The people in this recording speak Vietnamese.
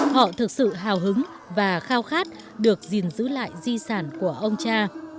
họ thực sự hào hứng và khao khát được gìn giữ lại di sản của ông cha